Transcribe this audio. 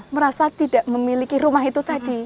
merasa tidak memiliki rumah itu tadi